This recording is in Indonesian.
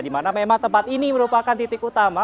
dimana memang tempat ini merupakan titik utama